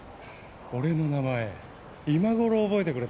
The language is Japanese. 俺の名前今頃覚えてくれたんだ？